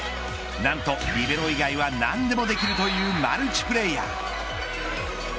何とリベロ以外は何でもできるというマルチプレーヤー。